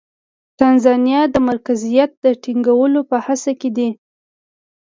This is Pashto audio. تانزانیا د مرکزیت د ټینګولو په هڅه کې دی.